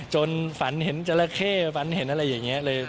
จนฝันเห็นจราเข้ฝันเห็นอะไรอย่างนี้เลย